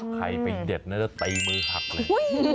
ใครไปเด็ดนะจะตีมือหักเลย